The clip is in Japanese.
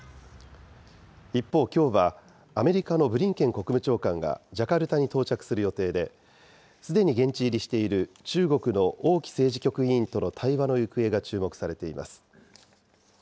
一方きょうは、アメリカのブリンケン国務長官がジャカルタに到着する予定で、すでに現地入りしている中国の王毅政治局委員との対話の行方が注目されています。